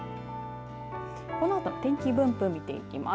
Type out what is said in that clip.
このあとの天気分布を見ていきます。